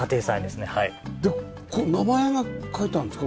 で名前が書いてあるんですか？